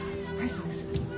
そうです。